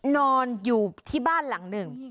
นอนอยู่ที่บ้านหลังหนึ่ง